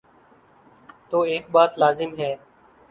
تو ایک بات لازم ہے۔